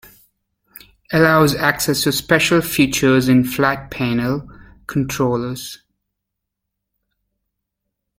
Allows access to special features in flat panel controllers.